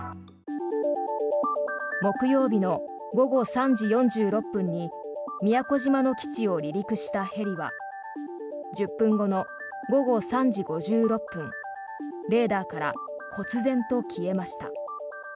木曜日の午後３時４６分に宮古島の基地を離陸したヘリは１０分後の午後３時５６分レーダーからこつぜんと消えました。